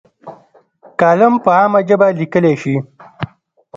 کالم په عامه ژبه لیکلی شي.